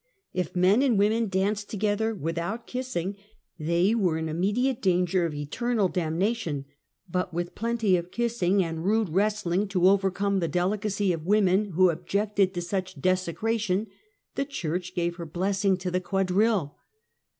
If men and women danced together without kissing, they were in immediate danger of eternal damnation ; but with plenty of kissing, and rude wrestling to overcome the delicacy of women who objected to such desecra tion, the church gave her blessing to the quadrille.